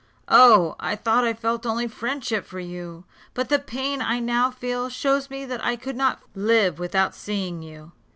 Oh! I thought I felt only friendship for you; but the pain I now feel, shows me that I could not live without seeing you."